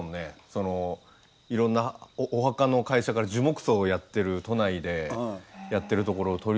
そのいろんなお墓の会社から樹木葬をやってる都内でやってるところを取り寄せるぐらい。